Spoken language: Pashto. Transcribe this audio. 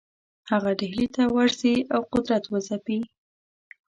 هغه ډهلي ته ورسي او قدرت وځپي.